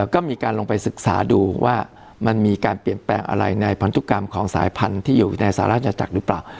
ก็มีการลงไปศึกษาดูว่ามันมีการเปลี่ยนแปลงอะไรในพันธุกรรมของสายพันธุ์ที่อยู่ในสหราชจักรหรือเปล่า